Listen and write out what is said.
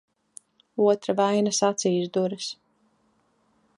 Otra vainas acīs duras.